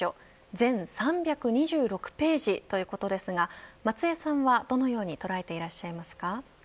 全３２６ページということですが松江さんは、どのように捉えていらっしゃいますか。